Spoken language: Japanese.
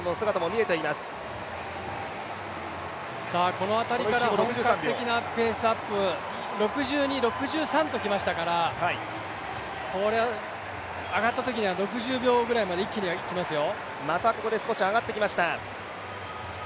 この辺りから本格的なペースアップ、６２、６３ときましたからこれは上がったときには６０秒ぐらいには一気にいきますよ。